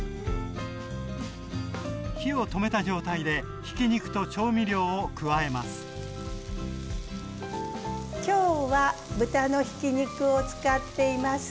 火を止めた状態でひき肉と調味料を加えます